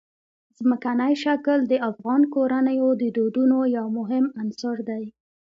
ځمکنی شکل د افغان کورنیو د دودونو یو مهم عنصر دی.